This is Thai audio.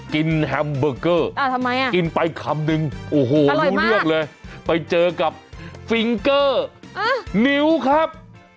แฮมเบอร์เกอร์กินไปคำนึงโอ้โหรู้เรื่องเลยไปเจอกับฟิงเกอร์นิ้วครับ